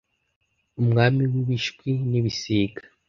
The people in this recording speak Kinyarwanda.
umwami w'ibishwi n'ibisiga